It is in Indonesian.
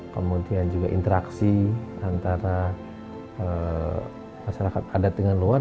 kemudian juga interaksi antara masyarakat adat dengan luar